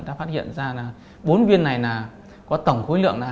ta phát hiện ra là bốn viên này có tổng khối lượng là hai mươi năm năm mươi sáu